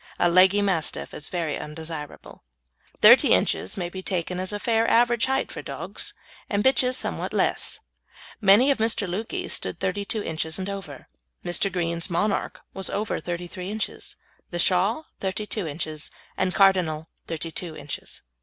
A leggy Mastiff is very undesirable. Thirty inches may be taken as a fair average height for dogs, and bitches somewhat less. Many of Mr. Lukey's stood 32 inches and over; Mr. Green's Monarch was over 33 inches, The Shah 32 inches, and Cardinal 32 inches.